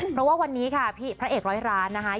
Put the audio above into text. เพราะว่าวันนี้ค่ะพระเอกร้อยร้านนะคะ